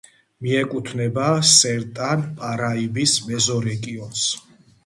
მიეკუთვნება სერტან-პარაიბის მეზორეგიონს.